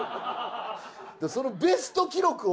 だからそのベスト記録を。